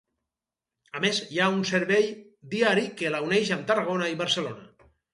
A més hi ha un servei diari que la uneix amb Tarragona i Barcelona.